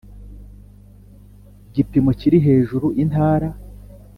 gipimo kiri hejuru Intara